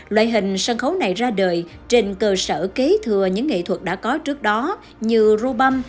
loại hình sân khấu này ra đời trên cơ sở kế thừa những nghệ thuật đã có trước đó như rubâm